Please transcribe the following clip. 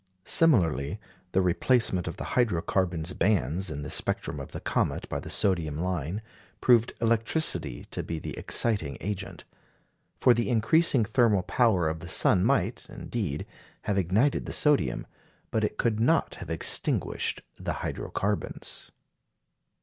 Similarly, the replacement of the hydro carbon bands in the spectrum of the comet by the sodium line proved electricity to be the exciting agent. For the increasing thermal power of the sun might, indeed, have ignited the sodium, but it could not have extinguished the hydro carbons.